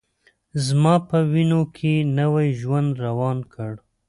زما په وینوکې نوی ژوند روان کړ